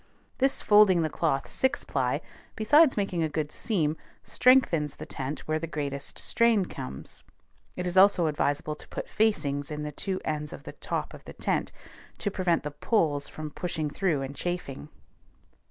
This folding the cloth six ply, besides making a good seam, strengthens the tent where the greatest strain comes. It is also advisable to put facings in the two ends of the top of the tent, to prevent the poles from pushing through and chafing.